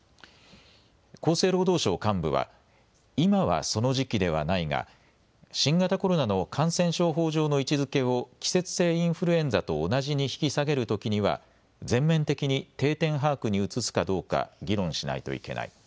厚生労働省幹部は今はその時期ではないが新型コロナの感染症法上の位置づけを季節性インフルエンザと同じに引き下げるときには全面的に定点把握に移すかどうか議論しないといけない。